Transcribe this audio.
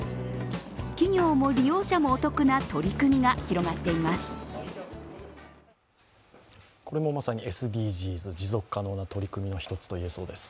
企業も利用者もお得な取り組みが広がっています。